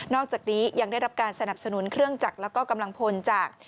อกจากนี้ยังได้รับการสนับสนุนเครื่องจักรแล้วก็กำลังพลจาก